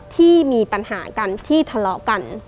ที่มีปัญหากันที่ทะเลาะกัน